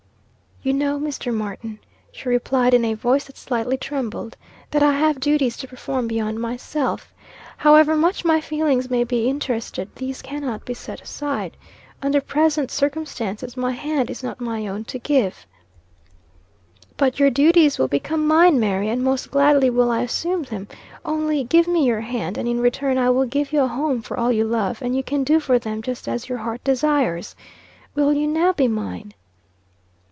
"You know, Mr. Martin," she replied, in a voice that slightly trembled, "that I have duties to perform beyond myself. However much my feelings may be interested, these cannot be set aside. Under present circumstances, my hand is not my own to give." "But, your duties will become mine, Mary; and most gladly will I assume them. Only give me your hand, and in return I will give you a home for all you love, and you can do for them just as your heart desires. Will you now be mine?"